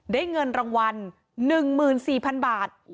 เงินรางวัล๑๔๐๐๐บาท